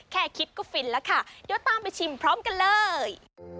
แค่คิดก็ฟินแล้วค่ะเดี๋ยวตามไปชิมพร้อมกันเลย